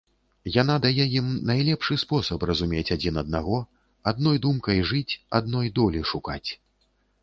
Яна дае ім найлепшы спосаб разумець адзін аднаго, адной думкай жыць, адной долі шукаць.